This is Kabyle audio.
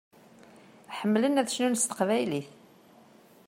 Ḥemmlen ad cnun s teqbaylit.